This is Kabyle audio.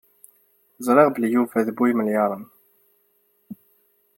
Ẓriɣ belli Yuba d bu imelyaren.